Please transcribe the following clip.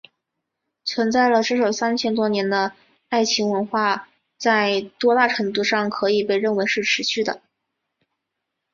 存在了至少三千多年的爱琴文明在多大程度上可以被认为是持续的？